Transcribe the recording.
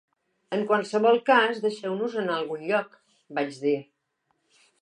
"En qualsevol cas, deixeu-nos anar a algun lloc", vaig dir.